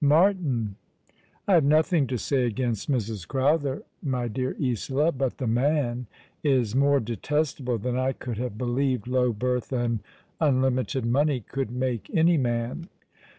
"Martin!" " I have nothing to say against Mrs. Crowther, my dear Isola. But the man is more detestable than I could have believed low birth and unlimited money could make any man.